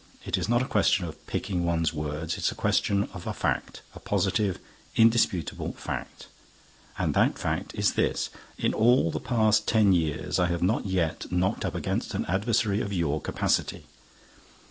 "It's not a question of picking one's words. It's a question of a fact, a positive, indisputable fact; and that fact is this: in all the past ten years, I have not yet knocked up against an adversary of your capacity.